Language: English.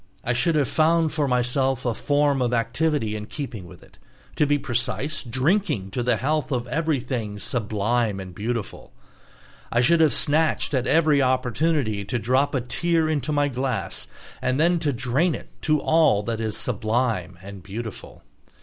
I should have found for myself a form of activity in keeping with it, to be precise, drinking to the health of everything "sublime and beautiful." I should have snatched at every opportunity to drop a tear into my glass and then to drain it to all that is "sublime and beautiful."